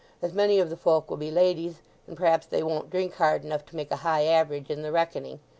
—as many of the folk will be ladies, and perhaps they won't drink hard enough to make a high average in the reckoning?